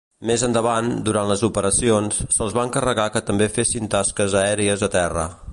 Més endavant, durant les operacions, se'ls va encarregar que també fessin tasques aèries a terra.